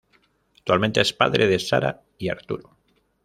Actualmente es padre de Sara y Arturo.